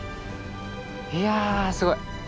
いやすごい！